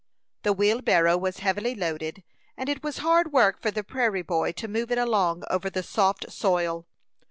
The wheelbarrow was heavily loaded, and it was hard work for the prairie boy to move it along over the soft soil.